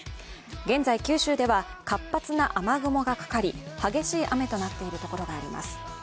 現在、九州では活発な雨雲がかかり激しい雨となっているところがあります。